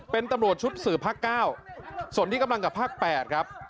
เป็นตำรวจชุดสื่อภาค๙ส่วนที่กำลังกับภาค๘ครับ